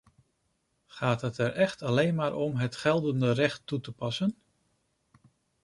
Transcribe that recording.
Gaat het er echt alleen maar om het geldende recht toe te passen?